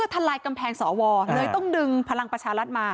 ทลายกำแพงสวเลยต้องดึงพลังประชารัฐมา